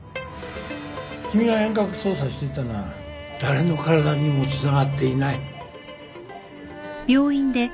君が遠隔操作していたのは誰の体にもつながっていない。